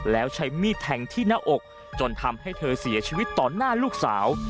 แล้วใช้มีดแทงที่หน้าอกจนทำให้เธอเสียชีวิตต่อหน้าลูกสาว